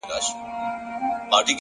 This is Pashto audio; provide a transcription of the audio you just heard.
صادق چلند د اړیکو عمر اوږدوي؛